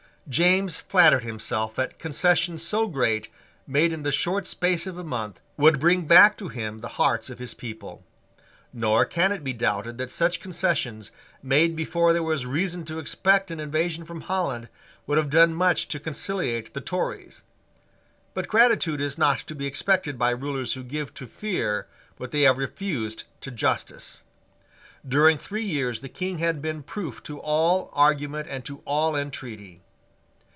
James flattered himself that concessions so great made in the short space of a month would bring back to him the hearts of his people. Nor can it be doubted that such concessions, made before there was reason to expect an invasion from Holland, would have done much to conciliate the Tories. But gratitude is not to be expected by rulers who give to fear what they have refused to justice. During three years the King had been proof to all argument and to all entreaty.